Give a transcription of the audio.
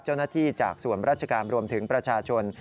เจ้าหน้าที่จากส่วนราชกรรมรวมถึงประชาชน